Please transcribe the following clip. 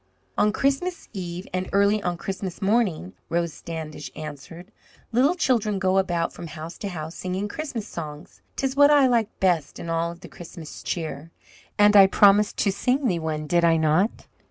"On Christmas Eve and early on Christmas morning," Rose Standish answered, "little children go about from house to house, singing Christmas songs. 'Tis what I like best in all the Christmas cheer. And I promised to sing thee one, did I not?"